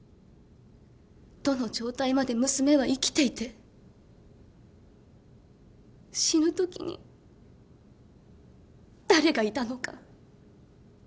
どの状態まで娘は生きていて死ぬときに誰がいたのか。